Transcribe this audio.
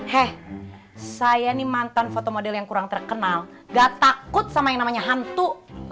hei saya nih mantan foto model yang kurang terkenal gak takut sama yang namanya hantu